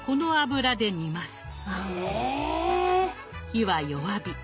⁉火は弱火。